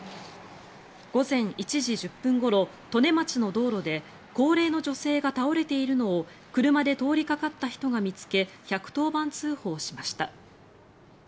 午前１時１０分ごろ利根町の道路で高齢の女性が倒れているのを車で通りかかった人が見つけ１１０番通報しました。